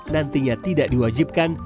nantinya tidak diwajibkan